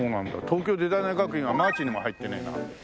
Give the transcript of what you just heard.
東京デザイナー学院はＭＡＲＣＨにも入ってないな。